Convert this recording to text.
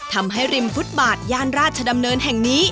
ทำให้ริมฟุตบาทย่านราชดำเนินแห่งนี้